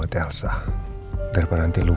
satu saat lagi saya baik baik saja ellie